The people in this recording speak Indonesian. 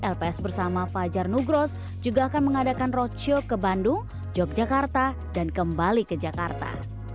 lps bersama fajar nugros juga akan mengadakan roadshow ke bandung yogyakarta dan kembali ke jakarta